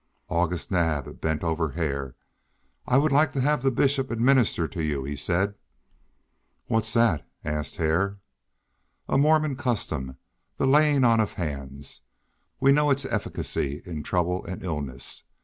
August Naab bent over Hare. "I would like to have the Bishop administer to you," he said. "What's that?" asked Hare. "A Mormon custom, 'the laying on of hands.' We know its efficacy in trouble and illness.